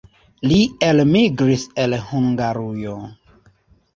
Li elmigris el Hungarujo.